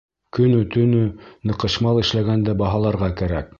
Көнө-төнө ныҡышмал эшләгәнде баһаларға кәрәк.